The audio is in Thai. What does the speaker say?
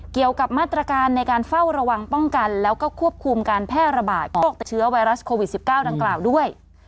เกี่ยวกับมาตรการในการเฝ้าระวังป้องกันแล้วก็ควบคุมการแพร่ระบาดของเชื้อไวรัสโควิด๑๙ดังกล่าวด้วย